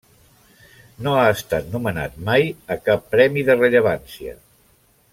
No ha estat nomenat mai a cap premi de rellevància.